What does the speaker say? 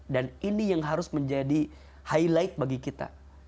dan ini yang harus menjadi highlight bagi kita